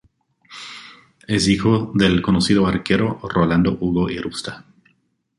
Es hijo del conocido arquero Rolando Hugo Irusta.